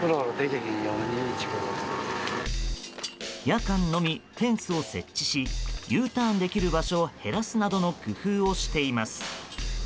夜間のみ、フェンスを設置しＵターンできる場所を減らすなどの工夫をしています。